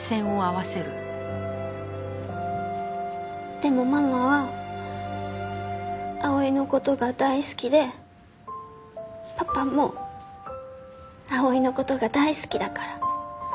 でもママは碧唯の事が大好きでパパも碧唯の事が大好きだから。